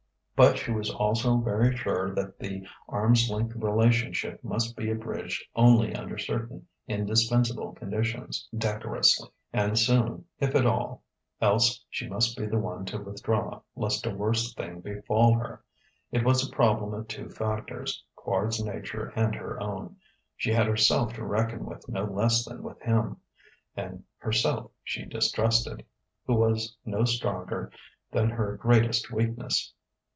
But she was also very sure that the arm's length relationship must be abridged only under certain indispensable conditions decorously and soon, if at all: else she must be the one to withdraw, lest a worse thing befall her. It was a problem of two factors: Quard's nature and her own; she had herself to reckon with no less than with him; and herself she distrusted, who was no stronger than her greatest weakness.